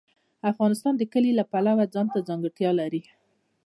افغانستان د کلي د پلوه ځانته ځانګړتیا لري.